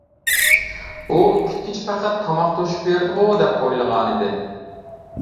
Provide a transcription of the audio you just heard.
ئۇ كۈتكۈچى پەقەت تاماق توشۇپ بېرىدىغۇ دەپ ئويلىغانىدى.